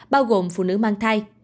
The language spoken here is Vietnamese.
bao gồm phụ nữ mang thai